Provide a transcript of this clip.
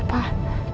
maaf ya pak